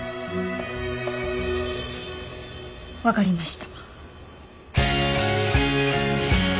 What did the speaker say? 分かりました。